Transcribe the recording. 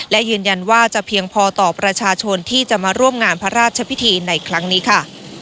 และยืนยันว่าจะเพียงพอต่อประชาชนที่จะมาร่วมงานพระราชพิธีในครั้งนี้ค่ะ